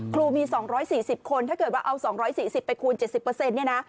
ครูมี๒๔๐คนถ้าเกิดว่าเอา๒๔๐ไปคูณ๗๐เปอร์เซ็นต์